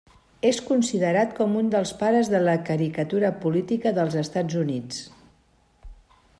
És considerat com un dels pares de la caricatura política dels Estats Units.